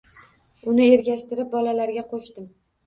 Uni ergashtirib bolalarga qo‘shdim.